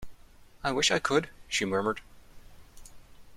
"I wish I could," she murmured.